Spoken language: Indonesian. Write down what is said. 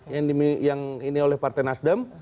yang ini oleh partai nasdem